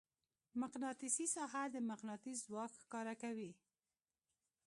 مقناطیسي ساحه د مقناطیس ځواک ښکاره کوي.